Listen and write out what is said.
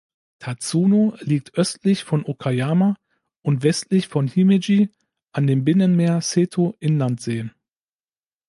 Tatsuno liegt östlich von Okayama und westlich von Himeji an dem Binnenmeer Seto-Inlandsee.